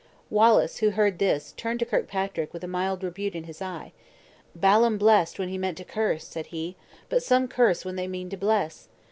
Wallace, who heard this, turned to Kirkpatrick with a mild rebuke in his eye. "Balaam blessed, when he meant to curse!" said he; "but some curse, when they mean to bless.